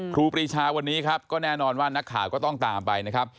ครีชาวันนี้ครับก็แน่นอนว่านักข่าวก็ต้องตามไปนะครับ